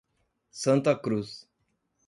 Santa Cruz